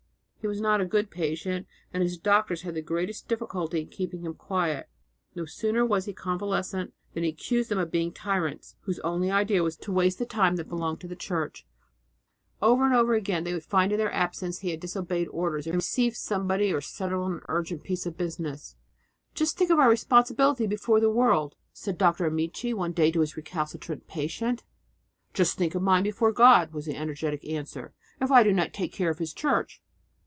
He was not a good patient, and his doctors had the greatest difficulty in keeping him quiet. No sooner was he convalescent than he accused them of being tyrants, whose only idea was to make him waste the time that belonged to the Church. Over and over again they would find that in their absence he had disobeyed orders and received somebody or settled an urgent piece of business. "Just think of our responsibility before the world!" said Dr. Amici one day to his recalcitrant patient. "Just think of mine before God," was the energetic answer, "if I do not take care of His Church!"